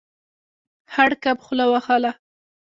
خړ کب خوله وهله.